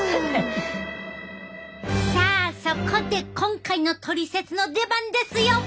さあそこで今回のトリセツの出番ですよ！